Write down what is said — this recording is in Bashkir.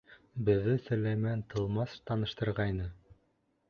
Беҙҙе Сөләймән тылмас таныштырғайны.